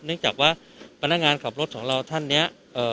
เนื่องจากว่าพนักงานขับรถของเราท่านเนี่ย